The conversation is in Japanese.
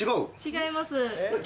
違います。